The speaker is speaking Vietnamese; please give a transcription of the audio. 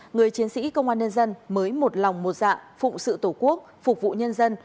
người chiến sĩ công an nhân dân mới một lòng một dạng phụng sự tổ quốc phục vụ nhân dân